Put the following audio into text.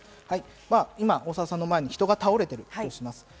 大沢さんの前に今、人が倒れているとします。